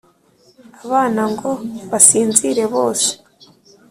abana ngo basinzire bose